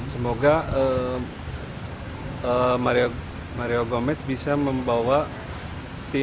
semoga mario gomez bisa membawa tim